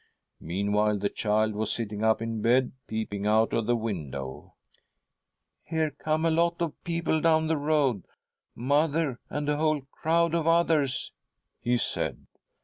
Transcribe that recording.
Meanwhile the child was sitting up in bed, peeping out of _;the window. ' Here come a lot of people down the road — mother and a whole crowd of others,' he said.